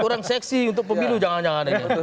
kurang seksi untuk peginu jangan jangan ini